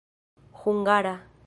hungara